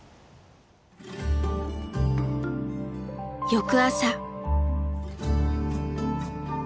翌朝。